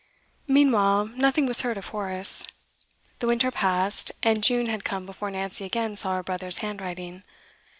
Meanwhile, nothing was heard of Horace. The winter passed, and June had come before Nancy again saw her brother's handwriting.